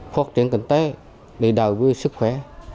phát triển kinh tế để đào quyết sức khỏe